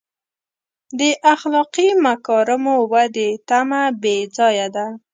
د اخلاقي مکارمو ودې تمه بې ځایه ده.